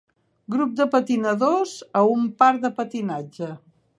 Grup de patinadors a un parc de patinatge.